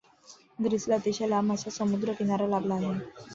ग्रीसला अतिशय लांब असा समुद्र किनारा लाभला आहे.